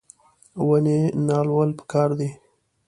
ونې نالول پکار دي